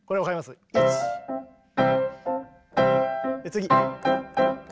次。